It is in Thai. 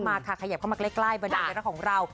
มาขยับเข้ามาใกล้บรรดาเจ้าหน้าของเรา